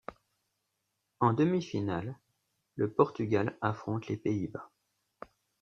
En demi-finale, le Portugal affronte les Pays-Bas.